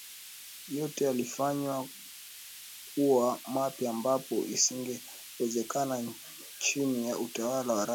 Yote yalifanywa kuwa mapya ambapo isingewezekana chini ya utawala wa Rais Karume